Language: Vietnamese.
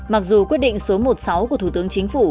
mặc dù quyết định số một mươi sáu của thủ tướng chính phủ